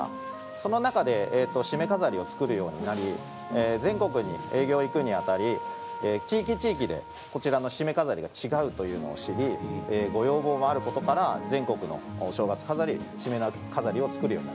その中でしめ飾りを作るようになり全国に営業行くにあたり地域地域で、こちらのしめ飾りが違うというのを知りご要望もあることから全国のお正月飾り、しめ縄飾りを作るようになりました。